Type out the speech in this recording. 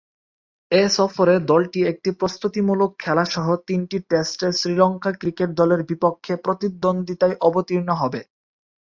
এ সফরে দলটি একটি প্রস্তুতিমূলক খেলাসহ তিনটি টেস্টে শ্রীলঙ্কা ক্রিকেট দলের বিপক্ষে প্রতিদ্বন্দ্বিতায় অবতীর্ণ হবে।